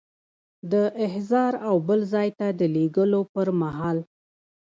د احضار او بل ځای ته د لیږلو پر مهال.